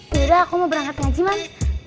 yaudah aku mau berangkat ngaji mam